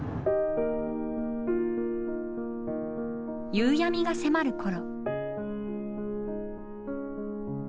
夕闇が迫る頃。